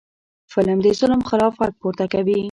فلم د ظلم خلاف غږ پورته کوي